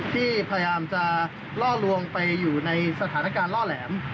ที่พยายามจะล่อลวงไปอยู่ในสถานการณ์ล่อแหลม